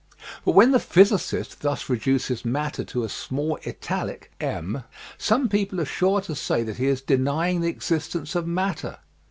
*^ But when the physicist thus reduces matter to a small italic m some people are sure to say that he is denying the existence of matter.